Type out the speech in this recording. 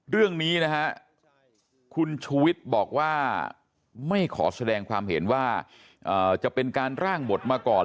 เรื่องนี้นะฮะคุณชูวิทย์บอกว่าไม่ขอแสดงความเห็นว่าจะเป็นการร่างบทมาก่อน